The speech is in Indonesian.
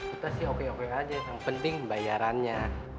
kita sih oke oke aja yang penting bayarannya